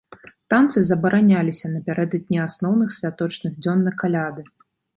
Танцы забараняліся напярэдадні асноўных святочных дзён на каляды.